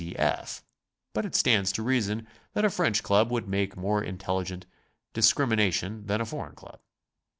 C. F., but it stands to reason that a French Club would make more in telligent discrimination than a foreign club.